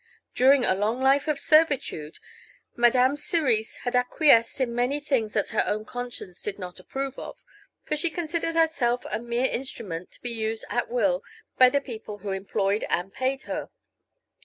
During a long life of servitude Madame Cerise had acquiesced in many things that her own conscience did not approve of, for she considered herself a mere instrument to be used at will by the people who employed and paid her.